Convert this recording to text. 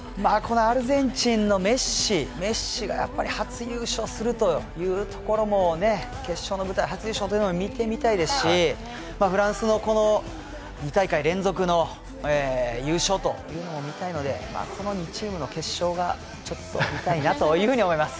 アルゼンチンのメッシメッシがやっぱり初優勝するというところもね決勝の舞台、初優勝というのも見てみたいですしフランスのこの２大会連続の優勝というのも見たいのでこの２チームの決勝がちょっと見たいなというふうに思います。